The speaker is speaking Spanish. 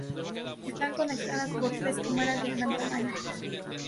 Están conectadas por tres cámaras de gran tamaño.